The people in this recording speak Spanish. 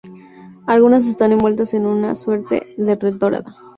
Algunas están envueltas en una suerte de red dorada.